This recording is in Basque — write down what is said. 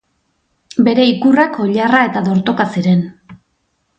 Bere ikurrak oilarra eta dortoka ziren.